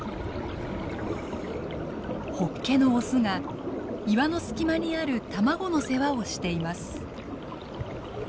ホッケのオスが岩の隙間にある卵の世話をしています。